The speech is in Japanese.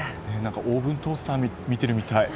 オーブントースターを見てるみたい。